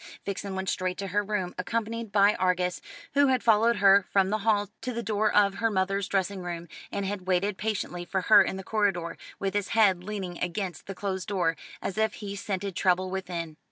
Vixen went straight to her room, accompanied by Argus, who had followed her from the hall to the door of her mother's dressing room, and had waited patiently for her in the corridor, with his head leaning against the closed door, as if he scented trouble within.